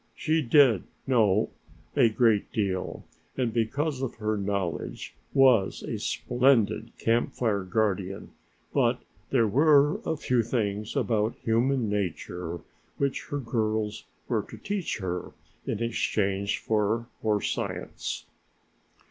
She did know a great deal and because of her knowledge was a splendid Camp Fire guardian, but there were a few things about human nature which her girls were to teach her in exchange for her science.